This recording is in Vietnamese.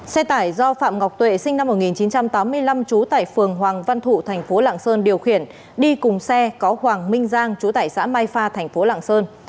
xe tải do phạm ngọc tuệ sinh năm một nghìn chín trăm tám mươi năm trú tại phường hoàng văn thụ tp lạng sơn điều khiển đi cùng xe có hoàng minh giang trú tại xã mai pha tp lạng sơn